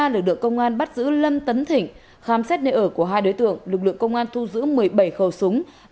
lâm tấn thỉnh khám xét nơi ở của hai đối tượng lực lượng công an thu giữ một mươi bảy khẩu súng